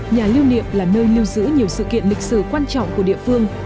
nhà lưu niệm là nơi lưu giữ nhiều sự kiện lịch sử quan trọng của địa phương